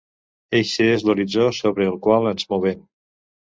Eixe és l’horitzó sobre el qual ens movem.